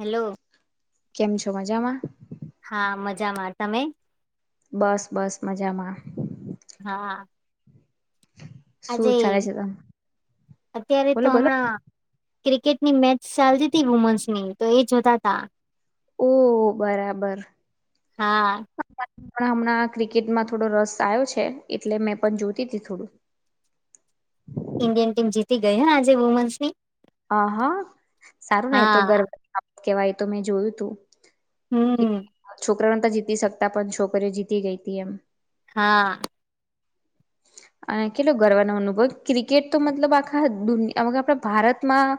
Hello કેમ છો મજામાં હા મજામાં તમે બસ બસ મજામાં હા શું આજે ચાલે છે તમ અત્યારે બોલો તો બોલો હમણાં ક્રિકેટની મેચ ચાલતી હતી વુમન્સ ની તો એ જોતા તા ઓ બરાબર. હા પણ હમણાં ક્રિકેટમાં થોડો રસ આવ્યો છે એટલે મેં પણ જોતી હતીી થોડું. ઇન્ડિયન ટીમ જીતી ગઈ આજે વુમન્સ ની. હા હા સારું ને એ તો હા ગર્વની બાબત કેવાય તો મેં જોયું તું હમ છોકરાઓને તો જીતી શકતા પણ છોકરીઓ જીતી ગઈ હતી એમ હા [inaudible] અને કેટલો ગર્વાનો અનુભવ ક્રિકેટ તો મતલબ આખા દુનિયા આપણા ભારતમાં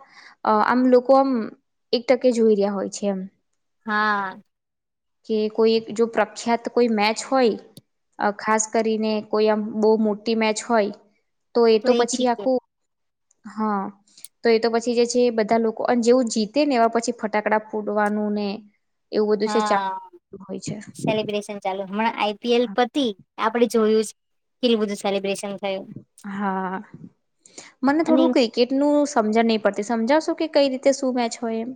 આમ લોકો આમ એક ટકે જોઈ રહ્યા હોય છે એમ હા કે કોઈ જો પ્રખ્યાત કોઈ મેચ હોય અ ખાસ કરીને કોઈ આમ બહુ મોટી મેચ હોય તો એ તો પછી આખું હા તો એ તો પછી જે છે બધા લોકો અને જેવું જીતે ને એવા પછી ફટાકડા ફૂડવાનું નૂને હા સેલિબ્રેશન ચાલુ હમણાં આઈપીએલ પતિ આપડી જોયું કેટલું બધું સેલિબ્રેશન થયું હા મને અને થોડું ક્રિકેટ નું સમજણ નહી પરથી સમજાવશું કે કઈ રીતે શું મેચ હોય એમ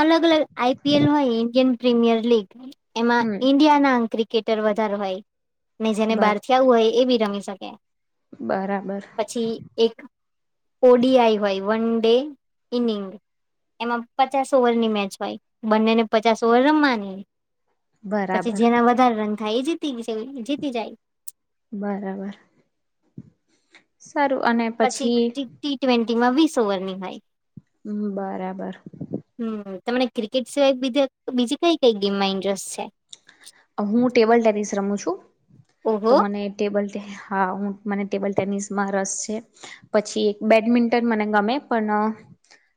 અલગ અલગ આઈપીએલ હોય ઇન્ડિયન પ્રીમિયર લીગ એમાં હમ ઈન્ડિયા ના ક્રિક કેટર વધારે હોય ને જેને બર બહાર થી આવું હોય એ બી રમી શકે બરાબર પછી એક કોડી આઈ હોય વન ડે ઇનિંગ એમાં પચાસ ઓવર ની મેચ હોય બંને ને પચાસ ઓવર રમવાની પછી બરાબર જેના વધારે રંગ થાય એ જીતી છે જીતી જાય. બરાબર સારું અને પછી તેમાં વીસ ઓવર ની હોય. હમ્મ બરાબર. હમ તમને ક્રિકેટ સિવાય બીજા બીજી કઈ કઈ ગેમમાં ઇન્જસ છે? હું ટેબલ ટેનિસ રમું છું. ઓહો તો મને ટેબલ ટે હા હું મને ટેબલ ટેનિસમાં રસ છે. પછી એક બેડમિન્ટન મને ગમે પણ અહ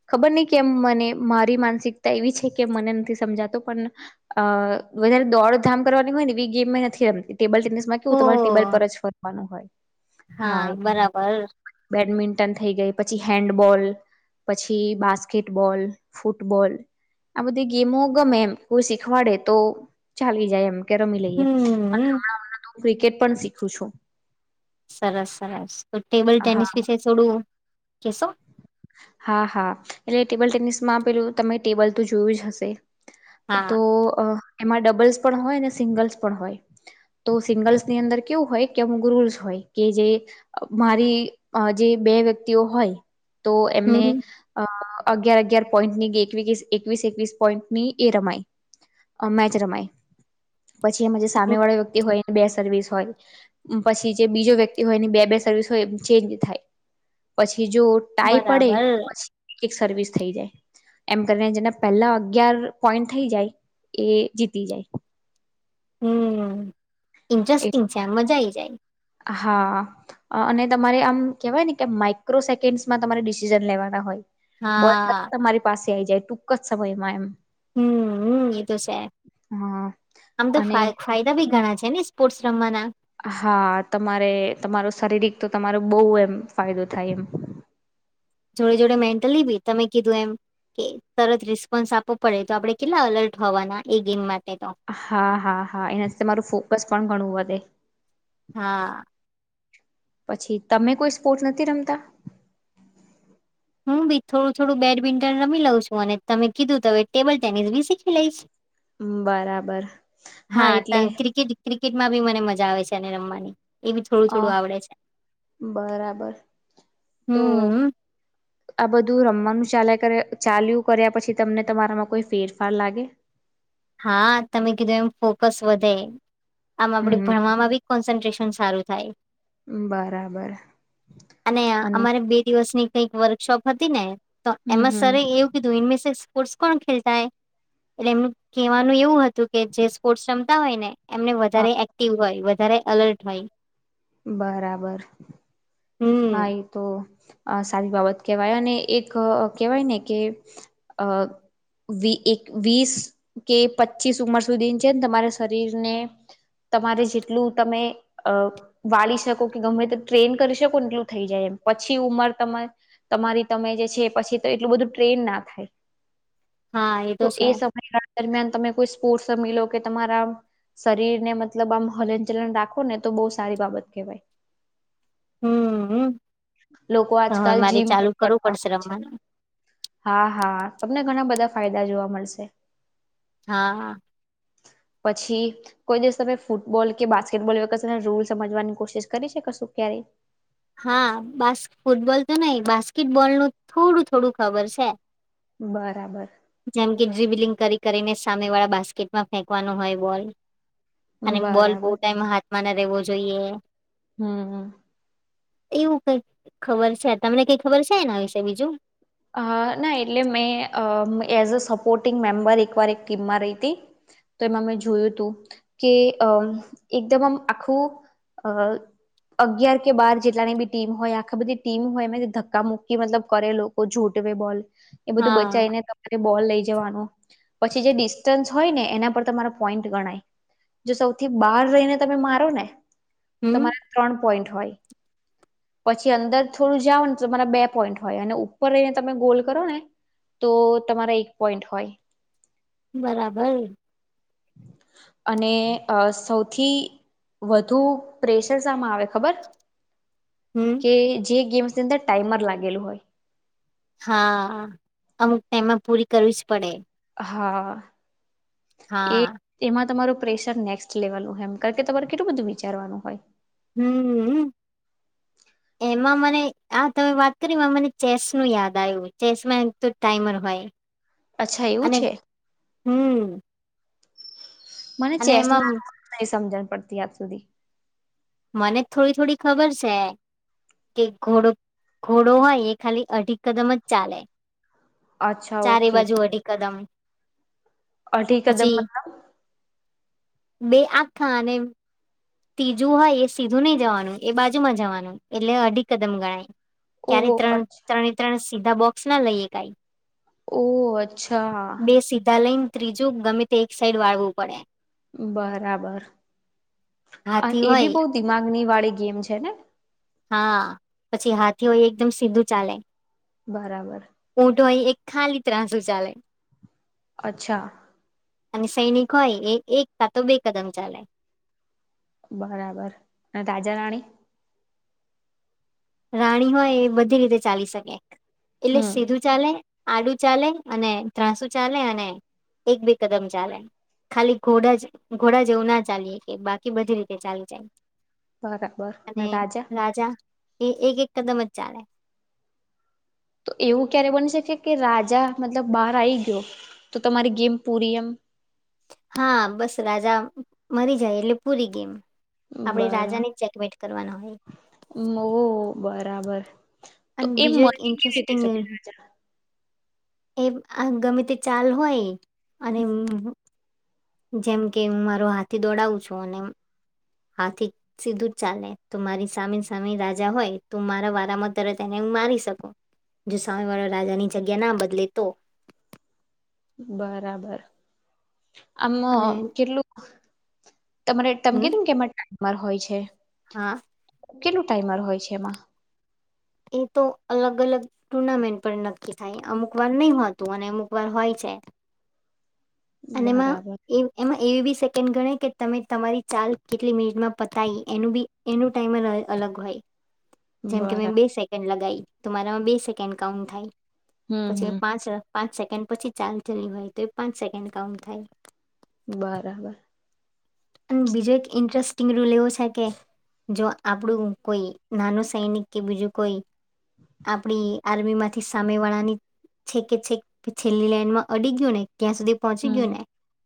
ખબર નહીં કેમ મને મારી માનસિકતા એવી છે કેમ મને નથી સમજાતું પણ અહ વધારે દોડ ધામ કરવાની હોય ને એવી ગેમમાં નથી રમતી ટેબલ ટેનિસ માં ઓ કેવું તમારે ટેબલ પર જ ફરવાનું હોય. હા એક મિનિટ બેડમિન ટન થઈ ગઈ પછી હેન્ડબોલ, પછી બાસ્કેટબોલ, ફૂટબોલ આ બધી ગેમો ગમે એમ કોઈ શીખવાડે તો ચાલી જાય એમ કે રમી લઈએ અનેં હમ હમણાં હમણાં તો ક્રિકેટ પણ શીખું છું. સરસ સરસ તો ટેબલ ટેનિસ વિશે થોડું કેશો? હા, હા એટલે ટેબલ ટેનિસમાં પેલું તમે ટેબલ તો જોયું જ હશે? હા તો અહ એમાં ડબલ્સ પણ હોય અને સિંગલ્સ પણ હોય. તો સિંગલ્સ ની અંદર કેવું હોય કે અમુક રૂલ્સ હોય કે જે અહ મારી અહ જે બે વ્યક્તિઓ હોય તો એમને હમ અહ અગિયાર અગિયાર પોઈન્ટની એકવીક એકવીસ એકવીસ પોઈન્ટની એ રમાય અહ મેચ રમાય પછી એમાં જે સામે વાળા વ્યક્તિ હોય બે સર્વિસ હોય. અમ્મ પછી જે બીજો વ્યક્તિ હોય એની બે બે સર્વિસ હોય એમ ચેન્જ થાય. પછી જો ટાઈ પડે બરાબર તો પછી એક સર્વિસ થઈ જાય. એમ કરીને જેના પહેલા અગયાર પોઈન્ટ થઈ જાય એ જીતી જાય. હમ્મ એ ઇન્જેસ્ટિંગ છે, મજા આઈ જાય. હા અહ અને તમારે આમ કહેવાય ને કે માઈક્રો સેકન્ડસમાં તમારે ડિસિઝન લેવાના હોય. બોલ હા [inaudible] તમારી પાસે આવીઈ જાય ટૂંક જ સમયમાં એમ. હમ્મ અમ્મ, એ તો છે. હા આમ તો અને ફાય-ફાયદા બી ઘણા છે ને સ્પોર્ટસ રમાવાના? હા તમારે તમારો શારીરિક તો તમારો બહુ એમ ફાયદો થાય એમ. જોડે જોડે મેન્ટલી બી તમે કીધું એમ કે તરત રિસ્પોન્સ આપવો પડે તો આપડણે કેટલા અલર્ટ હોવાના એ ગેમમાં. હા, હા, હા એનાથી તમારું ફોકસ પણ ઘણું વધે. હા. પછી તમે કોઈ સ્પોર્ટ નથી રમતા? હું બી થોડું થોડું બેડમિન્ટન રમી લઉં છું અને તમે કીધું ત હવે ટેબલ ટેનિસ બી શીખી લઈશ. બરાબર હા તા ક્રિકેટ ક્રિકેટ માં બી મને મજા આવે છે અને રમવાની. એ બી થોડું અ થોડું આવડે છે. બરાબર તો હમ્મ અમ્મ. આ બધું રમવાનું ચાલે કર્યા ચાલ્યું કર્યા પછી તમને તમારામાં કોઈ ફેરફાર લાગે? હા, તમે કીધું એમ ફોકસ વધે. આમ આપડે હમ ભણવામાં બી કોન્સન્ટ્રેશ સન સારું થાય. બરાબર અને આહ અમારે બે દિવસની કઈક વર્કશોપ હતી ને તો હમ એમાં હમ સર રે એવું કીધું ઇમમિસિસ સ્પોર્ટસ કોન ખેલતા હૈ. એટલે એમનું કહેવાનું એવું હતું કે જે સ્પોર્ટ્સ રમતા હોય ને એમને હા વધારે એક્ટિવ હોય, વધારે અલર્ટ હોય. બરાબર. હમ હા એ તો આ સારી બાબત કહેવાય. અને એક અહ કહેવાય ને કે અહ વી એક વીસ કે પચીસ ઉંમર સુધી છે ને તમારા શરીરને તમારે જેટલું તમે અહ વાળી શકો કે ગમે તો ટ્રેન કરી શક પણ દીયું થઈ જાય એમ પછી ઉંમર તમાર તમારી તમે જે છે પછી તો એટલું બધું ટ્રેન ના થાય. હા એ તો છે દરમિયાન તમે કોઈ સ્પોર્ટ રમી લો કે તમારા શરીર ને મતલબ આમ હલનચલન રાખો ને તો બહુ સારી બાબત કવાય હમ લોકો હવે આજકાલ મારે જીમ પણ ચાલુ કરતા કરવું પડશે હોય છે રમવાનું હા હા તમને ઘણા બધા ફાયદા જોવા મળશે હા પછી કોઈ દિવસ તમે ફૂટબોલ કે બાસ્કેટબોલ એ વખ તને રૂલ સમજવાની કોશિશ કરી શકશું ક્યારેય [inaudible] હા બાસ્ ફૂટબોલ તો નઈિ બાસ્કેટબોલ નું થોડું થોડું ખબર છે બરાબર બલિંગ કરી કરીને સામે વાળા બાસ્કેટમાં ફેંકવાનો હોય બોલ અને બોલ બહુ બરાબર ટાઈમ હાથમાં ન રહેવો જોઈએ હમ હ એવું કઈ ખબર છે તમને કઈ ખબર છે એના વિશે બીજું અ ના એટલે મેં એઝ અ સપોર્ટિંગ મેમ્બર એકવાર એક ટીમમાં રહી હતી તો એમાં મેં જોયું હતું કે અ એકદમ આમ આખું હ અગયાર કે બાર જેટલાની બી ટીમ હોય આખા બધી ટીમ હોય એ ધક્કા મુૂકી મતલબ કરેલો છૂટવે બોલ એ બધું હા બચાવીને તમારે બોલ લઈ નું પછી જે ડિસ્ટન્સ હોય ને એના પર તમા પોઈન્ટ ગણાય જો સૌથી બહાર રહીને તમે મારો ને હમ તમારા ત્રણ પોઈન્ટ પછી અંદર થોડું જાાવ ને તમારા બે પોઈન્ટ હોય અનેર ઉપર રને તમે ગોલ કરો ને તો તમારા એક પોઈન્ટ હોય બરાબર અને અ સૌથી વધુ પ્રેશર શમાં આવે ખબર હમ કે જે ગેમ્સની અંદર ટાઈમર લાગેલું હોય હા અમુક તેમાં પૂરી કરવી જ પડે હા એ હા એમાં તમારું પ્રેશર નેક્સ્ટ લેવલનું એમ કે તમારે કેટલું બધું વિચારવાનું હોય હમ એમાં મને આ તમે વાત કરી મને ચેસ નું યાદ આવ્યું ચેસમાં એક તો ટાઈમર હોય અચ્છા એવું અને છે હમ મને અને ચેસ એમાં નહી સમજણ પડતી આજ સુધી મને થોડી થોડી ખબર છે કે ઘોડો ઘોડો હોય એ ખાલી અઢીિક કદમ જ ચાલે અચ્છા ચારે બાજુ વી કદમ ઓ ઠીક કદમ પછી મતલબ બે આખાને એમ ત્રીજું હોય એ સીધું નહી જવાનું એ બાજુમાં જવાનું એટલે અઢી કદમ ગણાય ક્યારે ઓહ ત્રણ અચ્છા ત્રણે ત્રણ સીધા બોક્સ ના લઈએ કઈ ઓહ અચ્છા બે સીધા લઈને ત્રીજું ગમે તે એક સાઈડ વાળવું પડે બરાબર હાથી એ હોય બી બહ દિમાગની વાળી ગેમ છે છે હા પછી હાથી હોય એકદમ સીધું ચાલે બરાબર ઊંટ હોય એક ખાલી ત્રાસું ચાલે અચ્છા. અને સૈનિક હોય એ એક કા તો બે કદમ ચાલે. બરાબર અને રાજા રાણી! રાણી હોય એ બધી રીતે ચાલી શકે એટલે હમ સીધું ચાલે આડુ ચાલે અને ત્રસુ ચાલે અને એક બે કદમ ચાલે. ખાલી ઘોડા જ ઘોડા જે એવું ના ચાલીય કે બાકી બધી રીતે ચાલી જાય. બરાબર અને મે રાજા? એ એક એક કદમ જ ચાલે. તો એવું ક્યારે બની શકે કે, રાજા મતલબ બહાર આવી ગયો તો તમારી ગેમ પૂરી એમ! હા બસ રાજા મરી જાય એટલે પૂરી ગેમ. આપણે બરા રાજાને ચેકમેટ કરવાના હોય. ઓ બરાબર તો અને એ બીજો એક મરી કેવી રીતે ઇન્ટરેસ્ટિંગ શકે રાજા!? એ આ ગમે તે ચાલ હોય અને જેમ કે હું મારો હાથી દોડાવું છું અને હાથી સીધું જ ચાલે તો મારી સામેની સામે રાજા હોય તું મારા વારામાં તરત તેને મારી શકુ જો સામે વાળા રાજાની જગ્યા ના બદલે તો. બરાબર. આમ અને કેટલું તમારે તમે [unintelligible] ટાઈમ હોય છે. હાં. કેટલું ટાઈમર હોય છે એમાં? એ તો અલગ અલગ ટુર્નામેન્ટ પણ નક્કી થાય અમુક વાર નહી હોતું અને અમુક વાર હોય છે. બરાબર એમાં‌ એવી બી કેમ ગણે કે તમે તમારી ચાલ કેટલી મિનિટમાં પતાવી એનું બી એનું ટાઈમર અલગ હોય. જેમકે મેં બરા બે સેકન્ડ લગી તો મારામાં બે સેકન્ડ કાઉન્ટ થાય. હમ પછી હમ પાંચ સેકન્ડ પછી ચાલ ચ હોય તો એ પાંચ સેકન્ડ કાઉન્ટ થાય. બરાબર. અને બીજો એક ઇન્ટરેસ્ટિંગ રૂલ એવો છે કે, જો આપણું કોઈ નાનું સૈનિક કે બીજું કોઈ આપડી આર્મી માંથી સામે વાળા ની છે કે છેક છેલ્લી લાઈન માં અડી ગયું ને ત્યાં સુધી પહોંચી હમ ગયો ને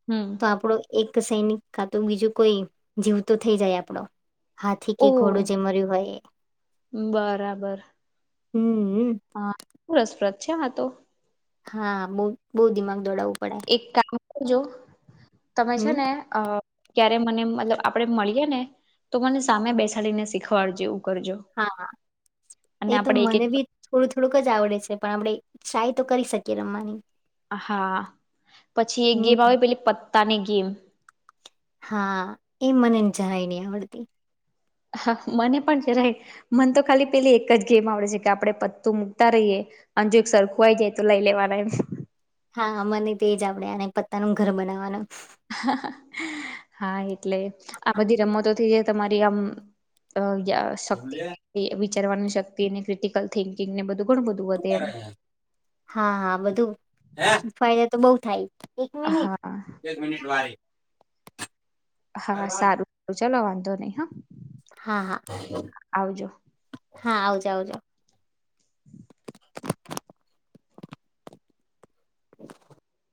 હમ તો આપણો એક સૈનિક કા તો બીજું કોઈ જીવ તો થઈ જાય આપડો. હાથી ઓ કે ઘોડું જે મર્યું હોય એ. બરાબર હમ્મ. હા શું રસપ્રદ છે હાતો. હા બ બહુ દિમાગ દોડાવું. એક કામ કરજો તમે છે હમ ને અ ક્યારે મને મતલબ આપણે મળીએે ને તો મને સામે બેસાડીને શીખવાડ જેવું. હા એ તો આપડે એક મને એક ભી થોડું થોડુંક જ આવડે છે. પણ આપણે ટ્રાય તો કરી શકીએ રમવાની. હા પછી એક ગેમ હમ આવે પેલી પત્તા ની ગેમ હા એ મને જારાય નહી આવડતી. હા મને પણ જ મને તો ખાલી પેલી એક જ ગેમ આવડે છે કે, આપડે પત્તું મૂકતા રહીએ અંજુ એક સરખુ આઈ જાય તો લઈ લેવાના એમ. હા મને તે જ આપડે અનેને પત્તાનું ઘર બનાવવાનું. હા એટલે આ બધી રમતો થી જે તમારી આમ શક્તિ વિચારવાનું શક્તિ અને ક્રિટિકલ થિંકિંગ ને બધું. ઘણું બધું વધે એમ હા હા બધું ફાયદા તો બહ થાય. એક મિનિટ હા એક મિનિટ વાળી. હા સારું ચલો વાંધો નહી હા. હા હા આવજો હા આવજો આવજો.